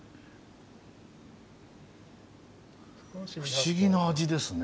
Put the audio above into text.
不思議な味ですね。